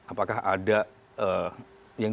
apakah ada yang